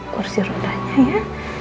kursi rontanya ya